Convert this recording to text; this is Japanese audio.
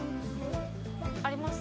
あります？